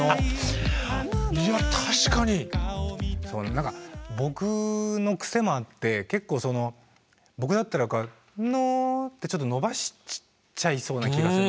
何か僕の癖もあって結構その僕だったら「の」ってちょっと伸ばしちゃいそうな気がする。